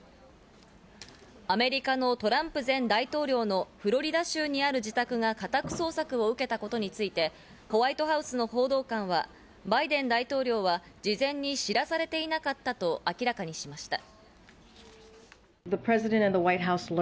アメリカのトランプ前大統領のフロリダ州にある自宅が家宅捜索を受けたことについて、ホワイトハウスの報道官はバイデン大統領は事前に知らされていなかったと明らかにしました。